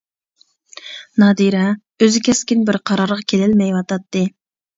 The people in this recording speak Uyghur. نادىرە ئۆزى كەسكىن بىر قارارغا كېلەلمەيۋاتاتتى.